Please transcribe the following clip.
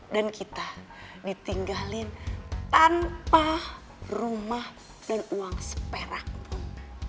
kita ditinggalin tanpa rumah dan uang seperak pun